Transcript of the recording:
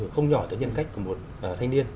không nhỏ tới nhân cách của một thanh niên